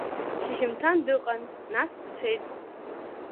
Шьыжьымҭан дыҟан, нас дцеит.